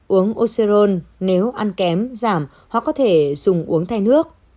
uống ocean nếu ăn kém giảm hoặc có thể dùng uống thay nước